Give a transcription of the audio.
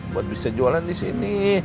buat bisa jualan disini